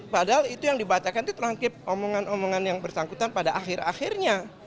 padahal itu yang dibacakan itu transkip omongan omongan yang bersangkutan pada akhir akhirnya